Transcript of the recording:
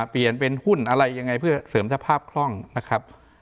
เปลี่ยนเป็นหุ้นอะไรยังไงเพื่อเสริมสภาพคล่องนะครับ